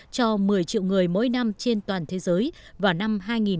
cho một mươi triệu người mỗi năm trên toàn thế giới vào năm hai nghìn hai mươi